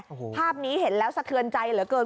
โอ้โหภาพนี้เห็นแล้วสะเทือนใจเหลือเกิน